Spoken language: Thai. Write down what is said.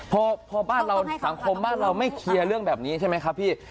พอบ้านเราสังคมบ้านเราไม่เคลียร์เรื่องแบบนี้ใช่ไหมครับพี่